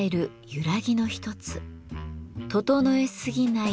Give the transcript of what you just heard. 「整えすぎない」